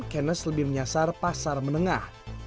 kenes lebih menyasar pasar menengah